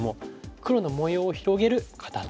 黒の模様を広げる肩ツキ。